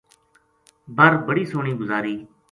بر بڑی سوہنی گزاری